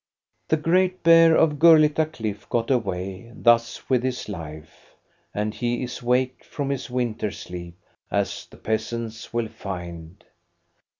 The great bear of Gurlitta Cliff got away thus with his life, and he is waked from his winter sleep, as the peasants will find.